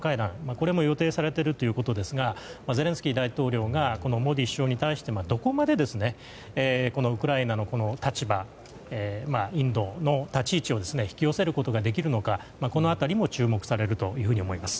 これも予定されているということですがゼレンスキー大統領がモディ首相に対してどこまで、ウクライナの立場インドの立ち位置を引き寄せることができるのかこの辺りも注目されると思います。